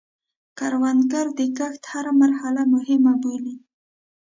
کروندګر د کښت هره مرحله مهمه بولي